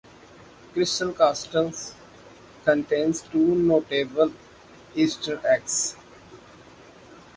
"Crystal Castles" contains two notable easter eggs.